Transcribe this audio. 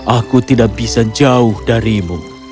aku tidak bisa jauh darimu